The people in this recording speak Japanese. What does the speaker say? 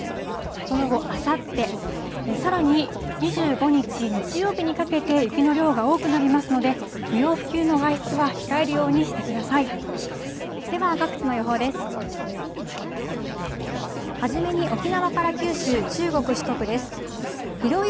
その後、あさって、さらに２５日日曜日にかけて雪の量が多くなりますので、不要不急の外出は控えるようにしてください。